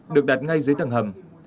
được đặt ngay dưới tầng hầm